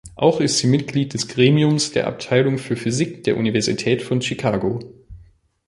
Auch ist sie Mitglied des Gremiums der Abteilung für Physik der Universität von Chicago.